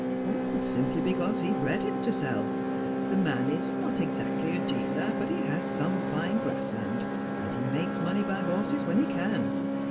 ' Simply because he bred him to sell. The man is not exactly a dealer, but he has some fine grass land, and he makes money by horses when he can.